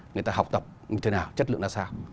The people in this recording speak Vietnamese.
người ta học tập như thế nào chất lượng ra sao